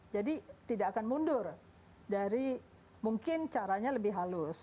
jadi tidak akan mundur dari mungkin caranya lebih halus